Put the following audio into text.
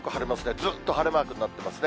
ずっと晴れマークになっていますね。